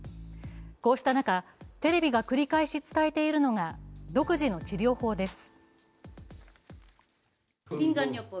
こうした中、テレビが繰り返し伝えているのが独自の治療法です。